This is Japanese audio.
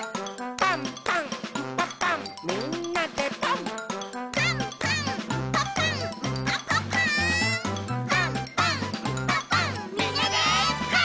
「パンパンんパパンみんなでパン！」